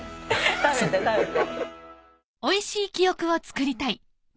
食べて食べて。